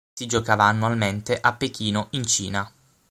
Si giocava annualmente a Pechino in Cina.